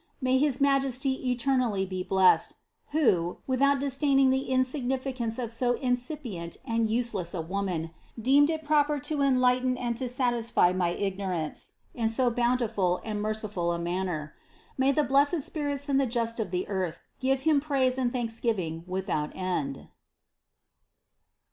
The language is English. May his Majesty eternally be blessed, who, without disdaining the insignificance of so insipient and useless a woman, deemed it proper to enlighten and to satisfy my ignorance in so bountiful and merciful a man ner. May the blessed spirits and the just of the earth give Him praise and thanksgiving without end